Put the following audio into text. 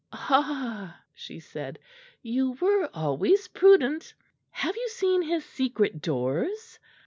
"Ah!" she said, "you were always prudent. Have you seen his secret doors?"